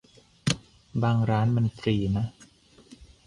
บางร้านมันฟรีนะ